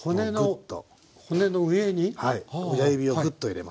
はい親指をグッと入れます。